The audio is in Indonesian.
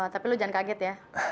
tapi lu jangan kaget ya